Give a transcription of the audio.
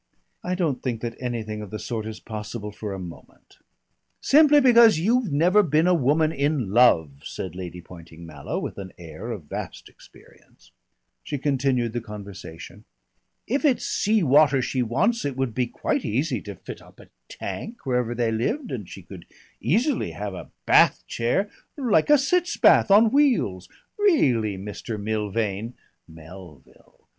"I don't think that anything of the sort is possible for a moment." "Simply because you've never been a woman in love," said Lady Poynting Mallow with an air of vast experience. She continued the conversation. "If it's sea water she wants it would be quite easy to fit up a tank wherever they lived, and she could easily have a bath chair like a sitz bath on wheels.... Really, Mr. Milvain " "Melville."